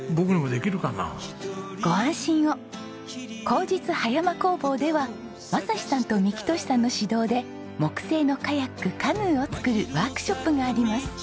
好日葉山工房では雅士さんと幹寿さんの指導で木製のカヤックカヌーを作るワークショップがあります。